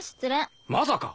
まさか！